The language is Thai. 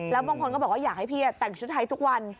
แล้วบางคนก็บอกว่าอยากให้พี่แต่งชุดไทยทุกวัน